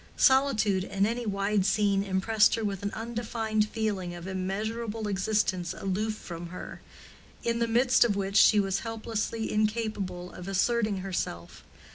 Solitude in any wide scene impressed her with an undefined feeling of immeasurable existence aloof from her, in the midst of which she was helplessly incapable of asserting herself.